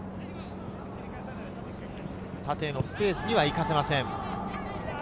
縦のスペースには行かせません。